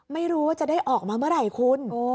ไม่รู้ว่าจะได้ออกมาเมื่อไหร่คุณ